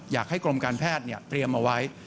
กรมการแพทย์เตรียมเอาไว้